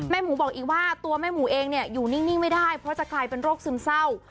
หมูบอกอีกว่าตัวแม่หมูเองเนี่ยอยู่นิ่งไม่ได้เพราะจะกลายเป็นโรคซึมเศร้า